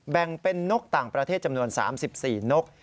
แบ่งเป็นนกต่างประเทศจำนวน๓๔นก